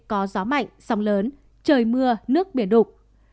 có gió mạnh sóng lớn trời mưa nước biển đục